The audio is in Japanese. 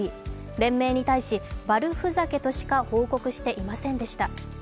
連盟に対し、悪ふざけとしか報告していませんでした。